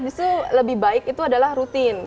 justru lebih baik itu adalah rutin